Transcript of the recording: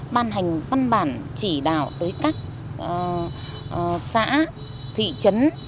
ban hành văn bản chỉ đạo tới các xã thị trấn